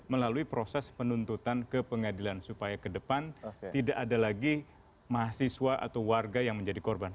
melalui proses penuntutan ke pengadilan supaya ke depan tidak ada lagi mahasiswa atau warga yang menjadi korban